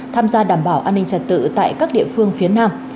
tham gia đảm bảo an ninh trật tự tại các địa phương phía nam